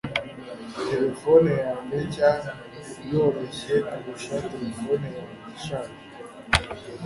Terefone yanjye nshya iroroshye kurusha terefone yanjye ishaje